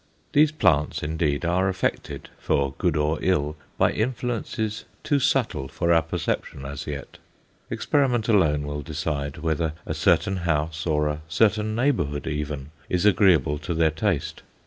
These plants, indeed, are affected, for good or ill, by influences too subtle for our perception as yet. Experiment alone will decide whether a certain house, or a certain neighbourhood even, is agreeable to their taste.